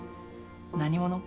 何者？